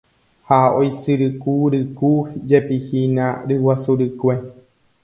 ha oisyrykuryku jepi hína ryguasu rykue